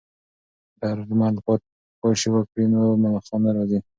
که درمل پاشي وکړو نو ملخان نه راځي.